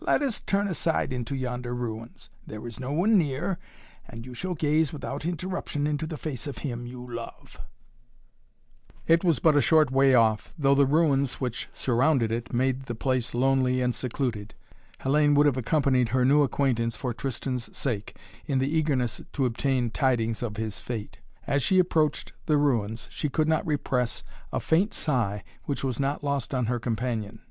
Let us turn aside into yonder ruins. There is no one near, and you shall gaze without interruption into the face of him you love " It was but a short way off, though the ruins which surrounded it made the place lonely and secluded. Had it been twice the distance however, Hellayne would have accompanied her new acquaintance for Tristan's sake, in the eagerness to obtain tidings of his fate. As she approached the ruins she could not repress a faint sigh, which was not lost on her companion.